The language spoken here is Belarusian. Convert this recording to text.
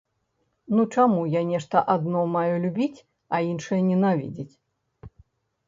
Ну чаму я нешта адно маю любіць, а іншае ненавідзець?